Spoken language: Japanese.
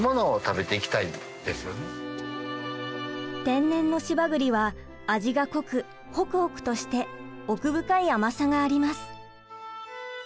天然の柴栗は味が濃くホクホクとして奥深い甘さがあります。